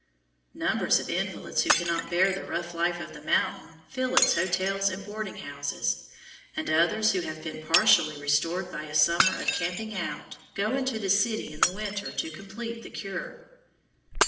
Numbers of invalids who cannot bear the rough life of the mountains fill its hotels and boarding houses, and others who have been partially restored by a summer of camping out, go into the city in the winter to complete the cure.